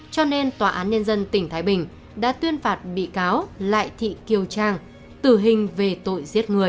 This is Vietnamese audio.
cho nên tòa án nhân dân tỉnh thái bình đã tuyên phạt bị cáo lại thị kiều trang tử hình về tội giết người